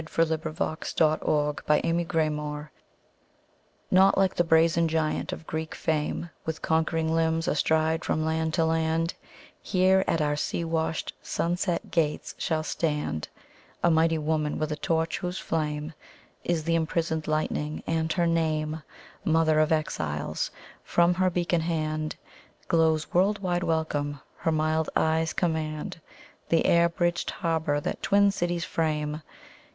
1917. The New Colossus Emma Lazarus NOT like the brazen giant of Greek fame, With conquering limbs astride from land to land; Here at our sea washed, sunset gates shall standA mighty woman with a torch, whose flameIs the imprisoned lightning, and her nameMother of Exiles. From her beacon handGlows world wide welcome; her mild eyes commandThe air bridged harbour that twin cities frame.